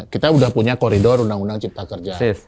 kita sudah punya koridor undang undang cipta kerja